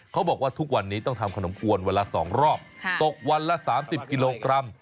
เขาบอกว่าทุกวันนี้ต้องทำขนมกวนวันละ๒รอบตกวันละ๓๐กิโลกรัม